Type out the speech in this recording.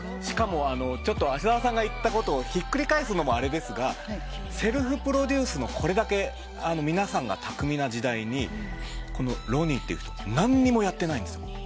しかも芦澤さんが言ったことをひっくり返すのもあれですがセルフプロデュースがこれだけ皆さんが巧みな時代にＲＱＮＹっていう人何にもやってないんですよ。